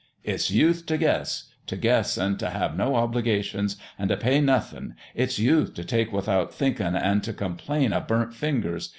It's youth t' guess t' guess, an' t' have no obligations, an' t' pay nothin'. It's youth t' take without thinkin', an' t' complain o' burnt fingers.